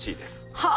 はあ。